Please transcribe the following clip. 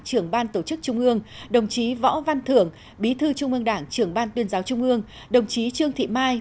trưởng ban tổ chức trung ương đồng chí võ văn thưởng bí thư trung ương đảng trưởng ban tuyên giáo trung ương đồng chí trương thị mai